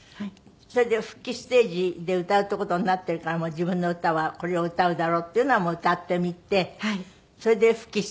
それで復帰ステージで歌うっていう事になっているから自分の歌はこれを歌うだろうっていうのは歌ってみてそれで復帰ステージが。